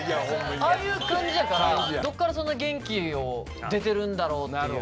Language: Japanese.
ああいう感じやからどっからそんな元気出てるんだろうっていう。